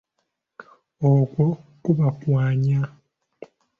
Okwo kuba kwanya.